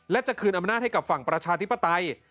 และจะคืนอำนาจให้กับฝั่งประชาธิปไตย